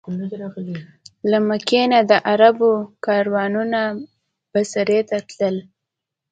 له مکې نه د عربو کاروانونه بصرې ته تلل.